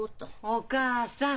お母さん！